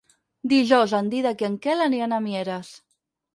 Dijous en Dídac i en Quel aniran a Mieres.